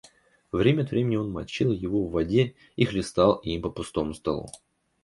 Время от времени он мочил его в воде и хлестал им по пустому столу.